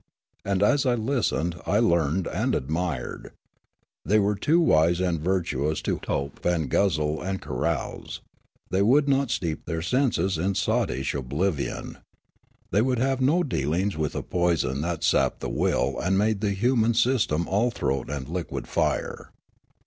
And as I listened, I learned and admired. The)' were too wise and virtuous to tope and guzzle and carouse. They would not steep their senses in sottish oblivion. The}' would have no dealings with a poison that sapped the will and made the human sys tem all throat and liquid fire.